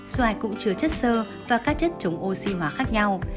xoài cũng chứa chất sơ và các chất chống oxy hóa khác nhau